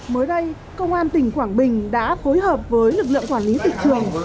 mới đây công an tỉnh quảng bình đã phối hợp với lực lượng quản lý thị trường